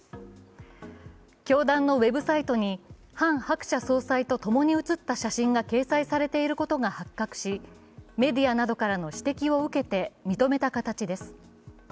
教団のウェブサイトにハン・ハクチャ総裁と共に写った写真が掲載されていることが発覚し、メディアなどからの指摘を受けて認めた形です。